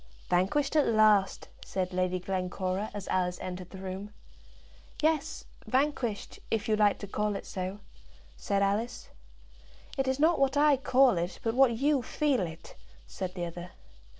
"Vanquished at last!" said Lady Glencora, as Alice entered the room. "Yes, vanquished; if you like to call it so," said Alice. "It is not what I call it, but what you feel it," said the other.